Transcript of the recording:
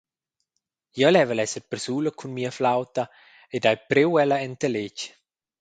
Jeu level esser persula cun mia flauta ed hai priu ella enta letg.